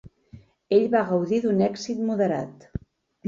Ell va gaudir d'un èxit moderat.